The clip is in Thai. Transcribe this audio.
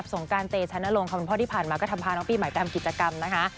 ซมสงการเตเชนลงค้ะมันพ่อที่ผ่านมาก็ทำพาน้องปีใหม่กลางกิจกรรมนะคะ